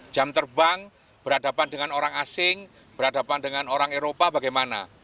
jam terbang berhadapan dengan orang asing berhadapan dengan orang eropa bagaimana